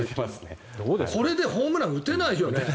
これでホームラン打てないよね。